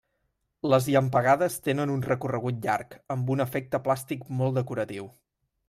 Les llampegades tenen un recorregut llarg amb un efecte plàstic molt decoratiu.